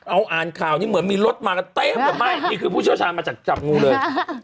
เอาอ่านข่าวนี้เหมือนมีรถมากันเต็มหรือไม่นี่คือผู้เชี่ยวชาญมาจากจับงูเลย